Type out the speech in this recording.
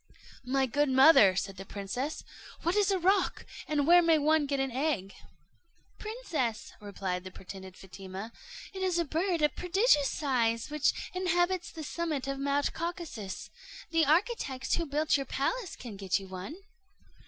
"My good mother," said the princess, "what is a roc, and where may one get an egg?" "Princess," replied the pretended Fatima, "it is a bird of prodigious size, which inhabits the summit of Mount Caucasus; the architect who built your palace can get you one."